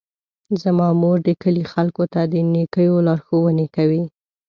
زما مور د کلي خلکو ته د نیکیو لارښوونې کوي.